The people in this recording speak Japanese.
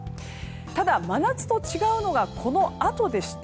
ただ、真夏と違うのがこのあとでして